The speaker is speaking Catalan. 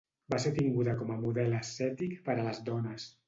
Va ser tinguda com a model ascètic per a les dones.